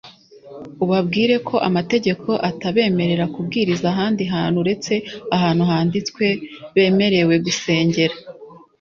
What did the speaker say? ubabwire ko amategeko atabemerera kubwiriza ahandi hantu uretse ahantu handitswe bemerewe gusengera